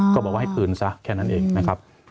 ก็บอกว่าให้คืนซะแค่นั้นเองนะครับ